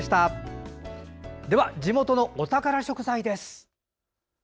では地元のお宝食材です。